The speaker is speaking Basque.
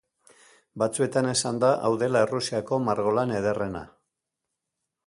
Batzuetan esan da hau dela Errusiako margolan ederrena.